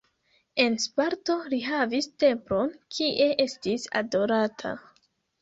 En Sparto li havis templon, kie estis adorata.